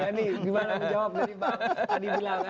gimana menjawab tadi pak